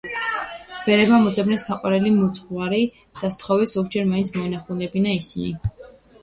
ბერებმა მოძებნეს საყვარელი მოძღვარი და სთხოვეს, ზოგჯერ მაინც მოენახულებინა ისინი.